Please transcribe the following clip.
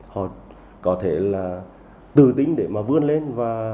họ có thể tự tính để vươn lên